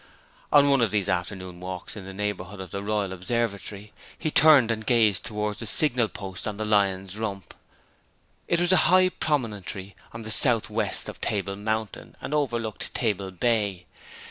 On one of these afternoon walks in the neighbourhood of the Royal Observatory he turned and gazed towards the signal post on the Lion's Rump. This was a high promontory to the north west of Table Mountain, and overlooked Table Bay.